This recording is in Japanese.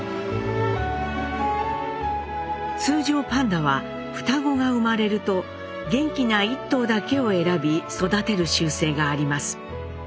通常パンダは双子が生まれると元気な１頭だけを選び育てる習性があります。